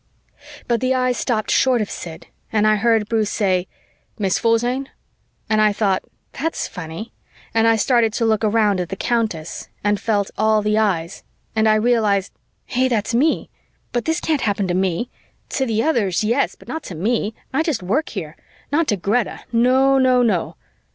But the eyes stopped short of Sid and I heard Bruce say, "Miss Forzane?" and I thought, "That's funny," and I started to look around at the Countess, and felt all the eyes and I realized, "Hey, that's me! But this can't happen to me. To the others, yes, but not to me. I just work here. Not to Greta, no, no, no!"